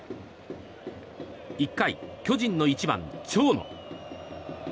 １回、巨人の１番、長野。